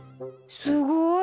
すごい！